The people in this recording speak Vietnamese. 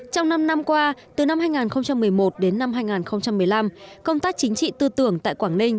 trong năm năm qua từ năm hai nghìn một mươi một đến năm hai nghìn một mươi năm công tác chính trị tư tưởng tại quảng ninh